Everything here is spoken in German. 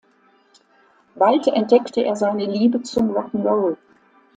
Bald entdeckte er seine Liebe zum Rock ’n’ Roll.